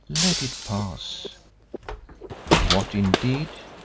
Let it pass." "What, indeed?"